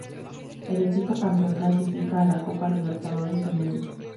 El equipo campeón clasifica a la Copa Libertadores Femenina.